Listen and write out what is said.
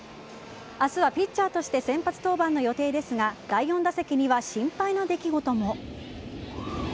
明日はピッチャーとして先発登板の予定ですが第４打席には心配な出来事も。